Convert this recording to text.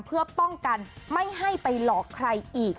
เพื่อป้องกันไม่ให้ไปหลอกใครอีก